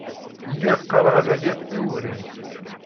Lliɣ qqareɣ ad aliɣ l wewrir.